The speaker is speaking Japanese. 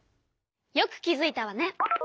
よく気づいたわね。